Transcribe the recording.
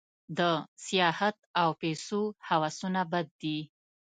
د سیاحت او پیسو هوسونه بد دي.